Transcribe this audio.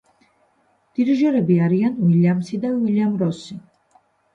დირიჟორები არიან უილიამსი და უილიამ როსი.